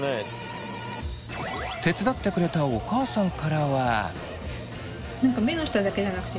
手伝ってくれたお母さんからは。